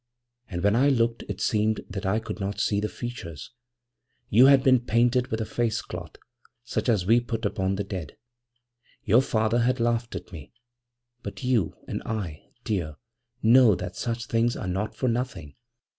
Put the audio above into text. And when I looked it seemed that I could not see the features; you had been painted with a face cloth, such as we put upon the dead. Your father has laughed at me, but you and I, dear, know that such things are not for nothing.